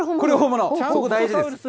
大事です。